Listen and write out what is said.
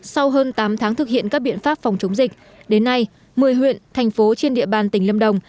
sau hơn tám tháng thực hiện các biện pháp phòng chống dịch đến nay một mươi huyện thành phố trên địa bàn tỉnh lâm đồng